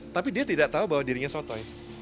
tapi dia tidak tahu bahwa dirinya sotoh ya